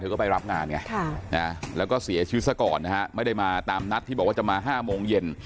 ก็ไปรับงานไงแล้วก็เสียชีวิตซะก่อนนะฮะไม่ได้มาตามนัดที่บอกว่าจะมา๕โมงเย็น